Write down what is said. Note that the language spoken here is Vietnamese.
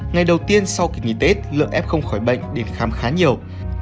ngày đầu tiên sau kỳ nghỉ tết lượng f không khỏi bệnh đến khám khá nhiều